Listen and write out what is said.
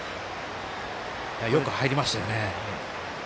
よく入りましたよね。